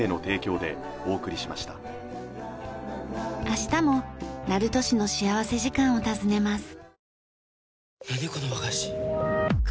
明日も鳴門市の幸福時間を訪ねます。